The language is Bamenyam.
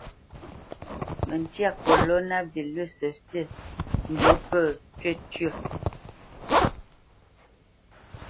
Mǝ́ntya koloná vilʉsǝ fi ndú pǝ́ cywítyǝ́.